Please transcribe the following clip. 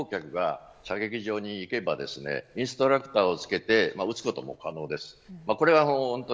ですから観光客が射撃場に行けばインストラクターをつけて撃つことも可能です。